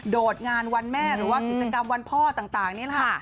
โดดงานวันแม่หรือว่ากิจกรรมวันพ่อต่างนี่แหละค่ะ